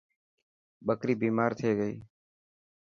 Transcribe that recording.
ٻڪري بيمار ٿي گئي.